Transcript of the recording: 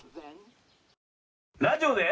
「ラジオで！」。